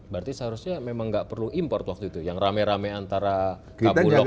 berarti seharusnya memang nggak perlu import waktu itu yang rame rame antara bulog